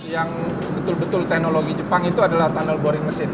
yang betul betul teknologi jepang itu adalah tunnel boring mesin